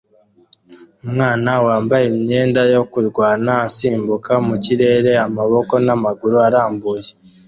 Umwana wambaye imyenda yo kurwana asimbuka mu kirere amaboko n'amaguru arambuye